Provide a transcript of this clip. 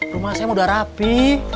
rumah sayang udah rapi